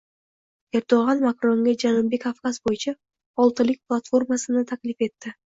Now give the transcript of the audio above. Erdo‘g‘on Makronga Janubiy Kavkaz bo‘yicha “oltilik platformasi”ni taklif etding